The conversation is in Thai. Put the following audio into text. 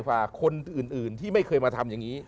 ฝากคนอื่นที่ไม่เคยมาทำอย่างนี้